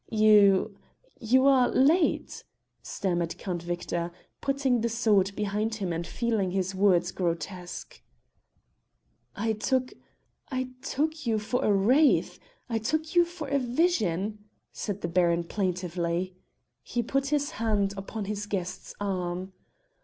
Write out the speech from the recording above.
"You you are late," stammered Count Victor, putting the sword behind him and feeling his words grotesque. "I took I took you for a wraith I took you for a vision," said the Baron plaintively. He put his hand upon his guest's arm.